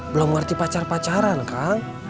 belum ngerti pacar pacaran kan